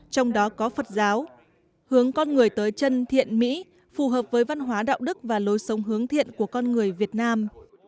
trong đó có phật giáo hướng con người tới chân thiện mỹ phù hợp với văn hóa đạo đức và lối sống hướng thiện của con người việt nam